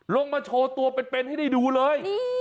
ลงมาโชว์ตัวเป็นให้ได้ดูเลย